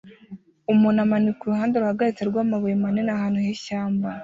Umuntu amanika uruhande ruhagaritse rwamabuye manini ahantu h'ishyamba